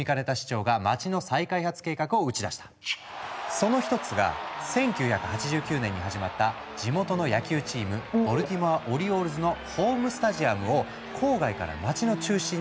その一つが１９８９年に始まった地元の野球チームボルティモア・オリオールズのホームスタジアムを郊外から街の中心に移す建設計画だった。